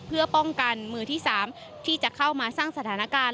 เพื่อป้องกันมือที่๓ที่จะเข้ามาสร้างสถานการณ์